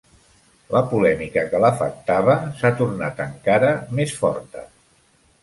La polèmica que l'afectava s'ha tornat encara més forta.